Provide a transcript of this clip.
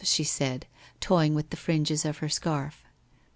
' she said, toying with the fringes of her scarf.